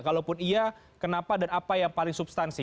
kalaupun iya kenapa dan apa yang paling substansi